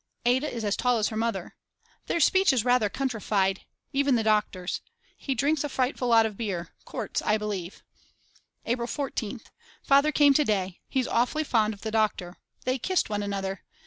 Ada is as tall as her mother. Their speech is rather countrified Even the doctor's. He drinks a frightful lot of beer; quarts I believe. April 14th. Father came to day. He's awfully fond of the doctor. They kissed one another.